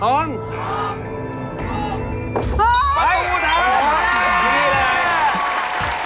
ต้องทำเป็นสามกษัตริย์นะ